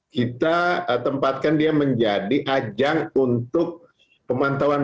kita tempatkan dia menjadi ajang untuk pemantauan